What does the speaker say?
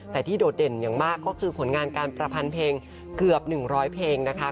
แต่ที่โดดเด่นอย่างมากก็คือผลงานการประพันธ์เพลงเกือบ๑๐๐เพลงนะคะ